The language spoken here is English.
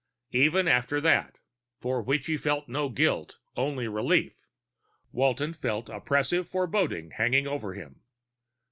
XX Even after that for which he felt no guilt, only relief Walton felt oppressive foreboding hanging over him.